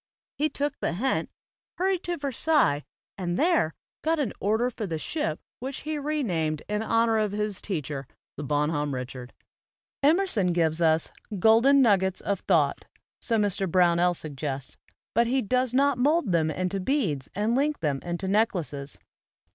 He took the hint, "hurried to Ver sailles, and there got an order for the ship which he renamed in honor of his teacher, the 'Bon homme Richard/" Kmcrson gives us "golden nuggets of thought," so Mr. Brownell suggests; but he does not mold into beads and link them into neckhios.